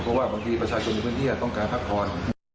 เพราะว่าบางทีประชาชนในพื้นที่ต้องการพักผ่อน